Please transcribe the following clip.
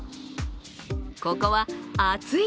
ここは暑い！